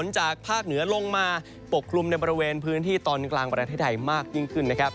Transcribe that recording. จากภาคเหนือลงมาปกคลุมในบริเวณพื้นที่ตอนกลางประเทศไทยมากยิ่งขึ้นนะครับ